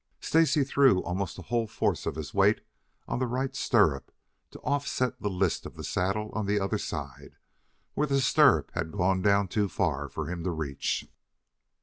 Stacy threw almost the whole force of his weight on the right stirrup to offset the list of the saddle on the other side, where the stirrup had gone down too far for him to reach.